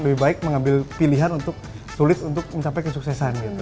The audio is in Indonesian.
lebih baik mengambil pilihan untuk sulit untuk mencapai kesuksesan gitu